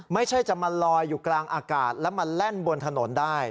ไม่ใช่จะมาลอยอยู่กลางอากาศแล้วมาแล่นบนถนนได้